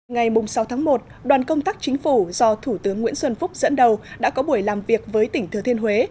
ngày sáu tháng một đoàn công tác chính phủ do thủ tướng nguyễn xuân phúc dẫn đầu đã có buổi làm việc với tỉnh thừa thiên huế